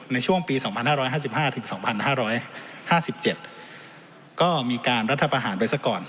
ในช่วงปี๒๕๕๕๒๕๕๗ก็มีการรัฐประหารไปซะก่อน